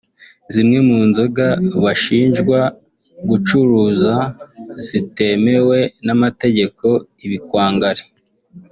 zimwe mu nzoga bashinjwa gucuruza zitemewe n’amategeko ibikwangari